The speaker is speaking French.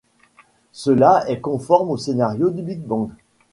Cela est conforme au scénario du Big Bang.